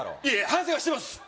いえいえ反省はしてます